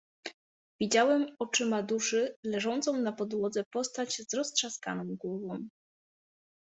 "Widziałem oczyma duszy leżącą na podłodze postać z roztrzaskaną głową."